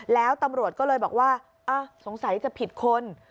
แล้วตำรวจก็เลยบอกว่าสงสัยจะผิดคน